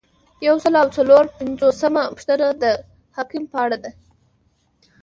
یو سل او څلور پنځوسمه پوښتنه د حکم په اړه ده.